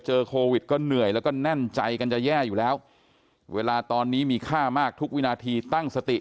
โควิดก็เหนื่อยแล้วก็แน่นใจกันจะแย่อยู่แล้วเวลาตอนนี้มีค่ามากทุกวินาทีตั้งสติ